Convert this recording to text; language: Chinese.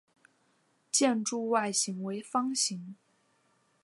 建筑外形为方形。